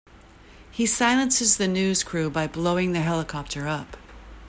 He silences the news crew by blowing the helicopter up.